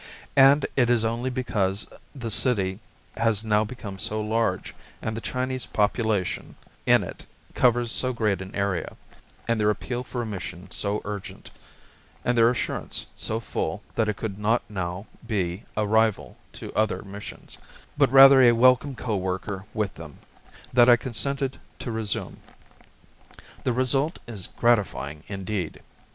And it is only because the city has now become so large, and the Chinese population in it covers so great an area, and the number of our own brethren there is so considerable, and their appeal for a mission so urgent, and their assurance so full that it could not now be a rival to other missions, but rather a welcome co worker with them, that I consented to resume. The result is gratifying indeed.